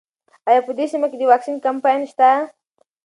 ایا په دې سیمه کې د واکسین کمپاین شته؟